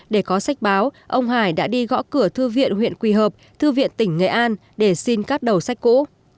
để có sách báo ông hải đã đi gõ cửa thư viện huyện quỳ hợp thư viện tỉnh nghệ an để xin các đầu sách cũ